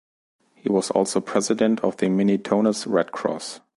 He was also president of the Minitonas Red Cross.